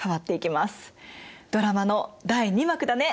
ドラマの第二幕だね。